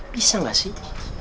bisa gak sih